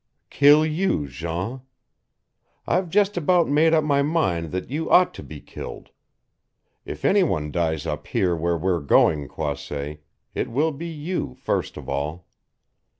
"Kill you, Jean. I've just about made up my mind that you ought to be killed. If any one dies up where we're going, Croisset, it will be you first of all."